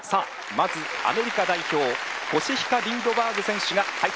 まずアメリカ代表コシヒカ・リンドバーグ選手が入ってきました。